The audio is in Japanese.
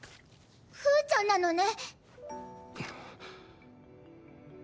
ふーちゃんなのね？